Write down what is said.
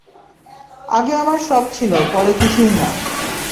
আগে আমার সব ছিলো, পরে কিছুই না।